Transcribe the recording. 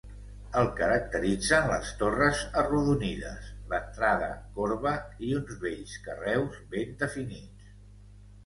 El caracteritzen les torres arrodonides, l'entrada en corba, i uns bells carreus ben definits.